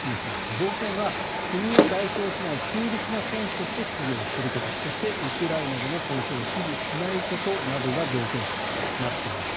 条件は国を代表しない中立な選手として出場することそして、ウクライナでの戦争を支持しないことなどが条件となっています。